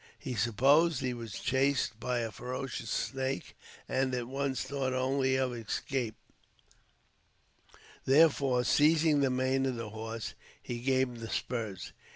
He supposed he was chased by a ferocious snake, and, at once, thought only of escape; therefore, seizing the mane of the horse, he gave him the spurs.